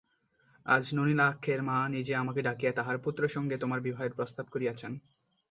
আজ নলিনাক্ষের মা নিজে আমাকে ডাকিয়া তাঁহার পুত্রের সঙ্গে তোমার বিবাহের প্রস্তাব করিয়াছেন।